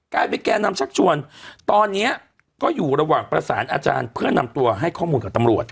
กลายเป็นแก่นำชักชวนตอนนี้ก็อยู่ระหว่างประสานอาจารย์เพื่อนำตัวให้ข้อมูลกับตำรวจ